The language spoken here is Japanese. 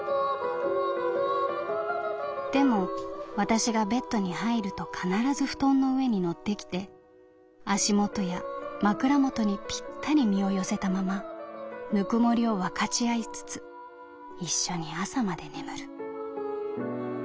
「でも私がベッドに入ると必ず布団の上に乗ってきて足元や枕元にぴったり身を寄せたまま温もりを分かち合いつつ一緒に朝まで眠る」。